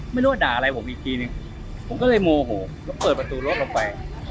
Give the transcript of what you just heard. ไม่รู้ว่าด่าอะไรผมอีกทีนึงผมก็เลยโมโหแล้วเปิดประตูรถลงไป